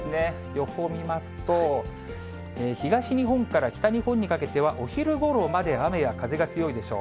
予報見ますと、東日本から北日本にかけては、お昼ごろまで雨や風が強いでしょ